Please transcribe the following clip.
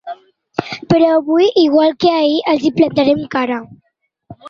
Però avui, igual que ahir, els hi plantarem cara.